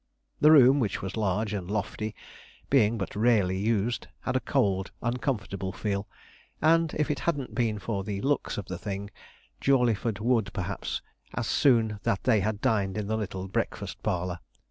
The room, which was large and lofty, being but rarely used, had a cold, uncomfortable feel; and, if it hadn't been for the looks of the thing, Jawleyford would, perhaps, as soon that they had dined in the little breakfast parlour.